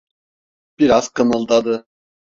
Biraz kımıldadı.